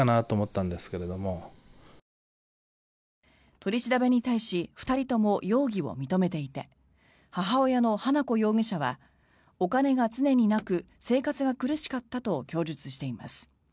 取り調べに対し２人とも容疑を認めていて母親の花子容疑者はお金が常になく生活が苦しかったと供述しています。